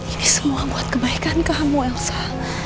ini semua buat kebaikan kamu elsa